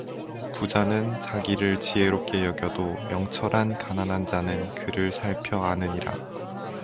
부자는 자기를 지혜롭게 여겨도 명철한 가난한 자는 그를 살펴 아느니라